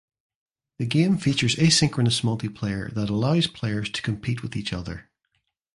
The game features asynchronous multiplayer that allows players to compete with each other.